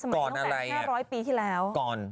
ก่อนอะไรสมัย๑๘๐๐ปีที่แล้ว